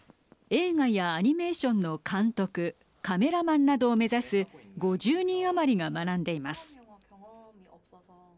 映画やアニメーションの監督カメラマンなどを目指す５０人余りが学んでいます。